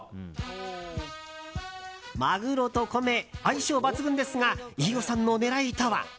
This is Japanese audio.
マグロと米、相性抜群ですが飯尾さんの狙いとは。